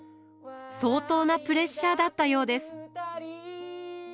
相当なプレッシャーだったようです。